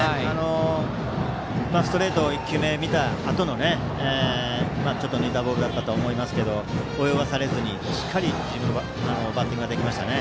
ストレート１球目見たあとの似たボールだったと思いますが泳がされずにしっかり自分のバッティングができました。